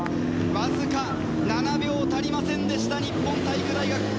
わずか７秒足りませんでした日本体育大学。